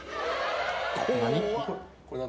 何？